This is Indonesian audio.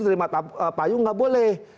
terima payung nggak boleh